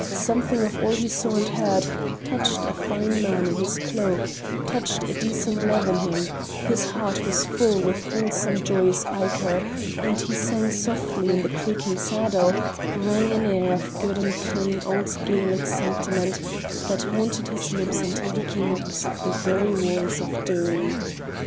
Something of all he saw and heard touched a fine man in his cloak, touched a decent love in him; his heart was full with wholesome joyous ichor; and he sang softly to the creaking saddle, sang an air of good and clean old Gaelic sentiment that haunted his lips until he came opposite the very walls of Doom.